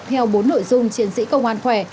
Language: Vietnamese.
theo bốn nội dung chiến sĩ công an khỏe